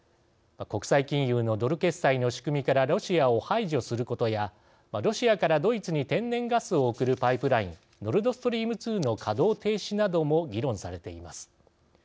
国際金融のドル決済の仕組みからロシアを排除することやロシアからドイツに天然ガスを送るパイプラインノルドストリーム２の稼働停止なども議論されています。